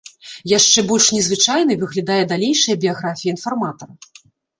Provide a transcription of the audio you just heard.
Яшчэ больш незвычайнай выглядае далейшая біяграфія інфарматара.